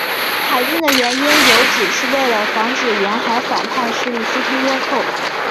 海禁的原因有指是为了防止沿海反叛势力私通倭寇。